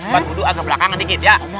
buat budu agak belakangan dikit ya